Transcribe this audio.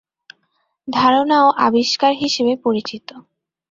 ধারণাও আবিষ্কার হিসেবে পরিচিত।